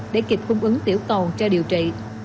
để kịp cung ứng tiểu cầu cho điều trị